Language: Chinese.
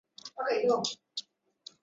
本属的名称来自中南半岛的湄公河。